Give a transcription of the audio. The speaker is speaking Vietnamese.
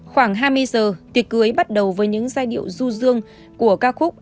khoảng hai mươi giờ tiệc cưới bắt đầu với những giai điệu du dương của ca khúc